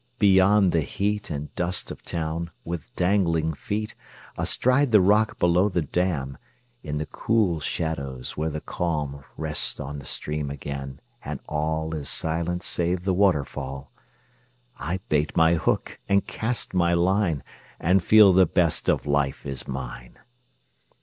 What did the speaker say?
Beyond the heat And dust of town, with dangling feet Astride the rock below the dam, In the cool shadows where the calm Rests on the stream again, and all Is silent save the waterfall, I bait my hook and cast my line, And feel the best of life is mine.